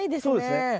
そうですね。